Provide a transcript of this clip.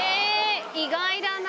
意外だな。